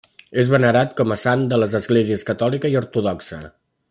És venerat com a sant a les esglésies catòlica i ortodoxa.